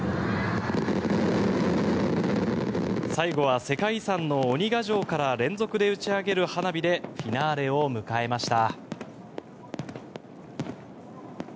最後は世界遺産の鬼ヶ城から連続で打ち上げる花火でフィナーレを迎えました。